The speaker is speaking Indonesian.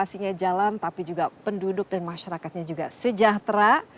aplikasinya jalan tapi juga penduduk dan masyarakatnya juga sejahtera